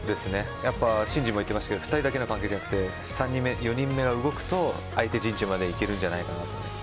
やっぱ伸二もいってますけど２人だけの関係じゃなくて３人目４人目が動くと相手陣地まで行けるんじゃないかと思います。